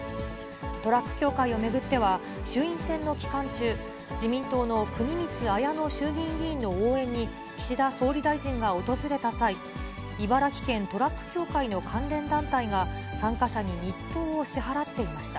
トラック協会を巡っては、衆院選の期間中、自民党の国光文乃衆議院議員の応援に、岸田総理大臣が訪れた際、茨城県トラック協会の関連団体が参加者に日当を支払っていました。